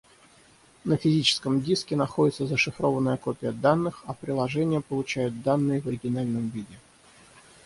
На физическом диске находится зашифрованная копия данных, а приложения получают данные в оригинальном виде